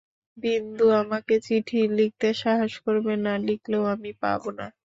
বিন্দু আমাকে চিঠি লিখতে সাহস করবে না, লিখলেও আমি পাব না।